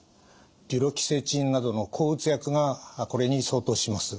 デュロキセチンなどの抗うつ薬がこれに相当します。